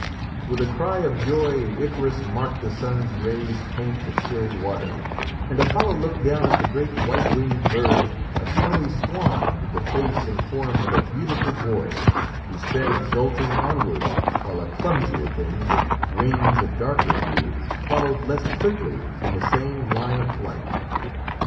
With a cry of joy Icarus marked the sun's rays paint the chill water, and Apollo looked down at the great white winged bird, a snowy swan with the face and form of a beautiful boy, who sped exulting onwards, while a clumsier thing, with wings of darker hue, followed less quickly, in the same line of flight.